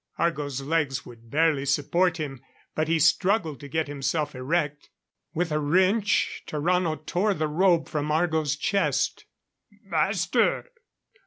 Argo's legs would barely support him, but he struggled to get himself erect. With a wrench, Tarrano tore the robe from Argo's chest. "Master!